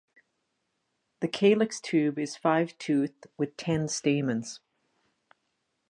The calyx tube is five-toothed with ten stamens.